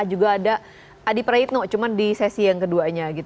juga ada adi praitno cuma di sesi yang keduanya